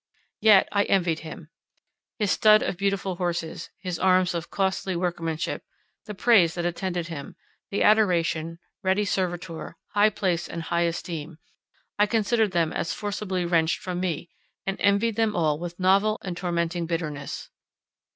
Yet I envied him. His stud of beautiful horses, his arms of costly workmanship, the praise that attended him, the adoration, ready servitor, high place and high esteem,—I considered them as forcibly wrenched from me, and envied them all with novel and tormenting bitterness.